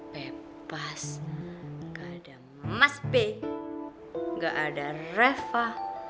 bebas gak ada mas be gak ada reva